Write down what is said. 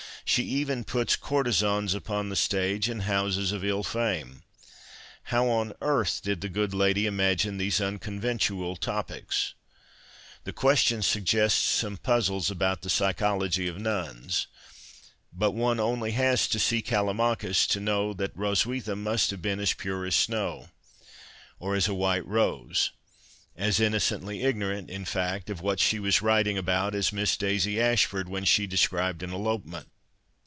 She even puts courtesans upon the stage and houses of ill fame. How on earth did the good lady imagine these un conventual topics ? The question suggests some puzzles about the psychology of nuns. But one only has to see CaUimachtis to know that Hroswitha must have been as pure as snow, or as a white rose, as innocently ignorant, in fact, of what she was writing ;il)out as Miss Daisy Asiiford when she described an elopement.